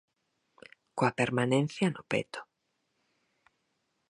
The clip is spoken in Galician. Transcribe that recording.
Coa permanencia no peto.